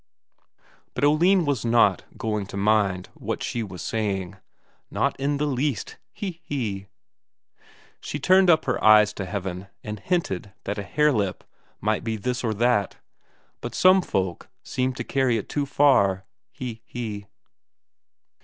But Oline was not going to mind what she was saying; not in the least, he he! She turned up her eyes to heaven and hinted that a hare lip might be this or that, but some folk seemed to carry it too far, he he!